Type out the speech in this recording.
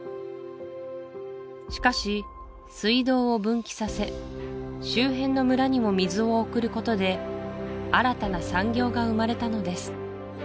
しかし水道を分岐させ周辺の村にも水を送ることで新たな産業が生まれたのです